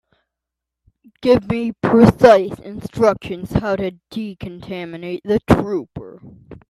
Give me precise instructions how to decontaminate the trooper.